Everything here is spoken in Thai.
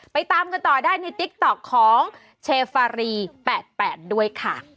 ตามกันต่อได้ในติ๊กต๊อกของเชฟารี๘๘ด้วยค่ะ